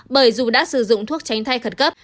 bởi dù đã sử dụng thuốc tránh thai khẩn cấp